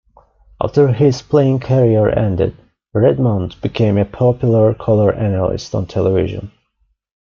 After his playing career ended, Redmond became a popular color analyst on television.